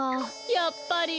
やっぱり。